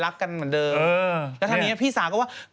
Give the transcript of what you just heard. แล้วถ้านี้พี่สาก็ว่า